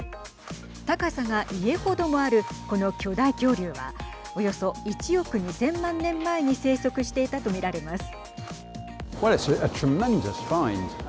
高さが家ほどもあるこの巨大恐竜はおよそ１億２０００万年前に生息していたとみられます。